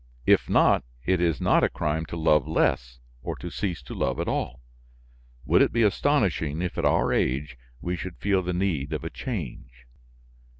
If not, it is not a crime to love less or to cease to love at all. Would it be astonishing if, at our age, we should feel the need of change?"